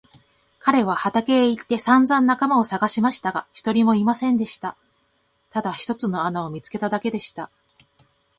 彼は畑へ行ってさんざん仲間をさがしましたが、一人もいませんでした。ただ一つの穴を見つけただけでした。